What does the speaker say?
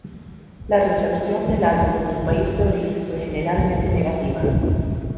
La recepción del álbum en su país de origen fue generalmente negativa.